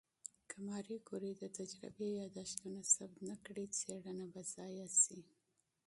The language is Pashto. که ماري کوري د تجربې یادښتونه ثبت نه کړي، څېړنه به ضایع شي.